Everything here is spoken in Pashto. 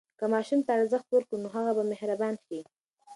که ماشوم ته ارزښت ورکړو، نو هغه به مهربان شي.